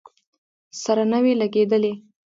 سره نه وې لګېدلې.